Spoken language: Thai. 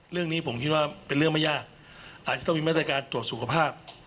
เรื่องนี้ผมคิดว่าเป็นเรื่องไม่ยากอาจจะต้องมีมาตรการตรวจสุขภาพ